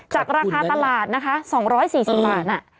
จากราคาตลาดนะคะ๒๔๐บาท